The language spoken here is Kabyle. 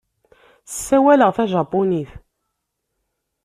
Ssawaleɣ tajapunit.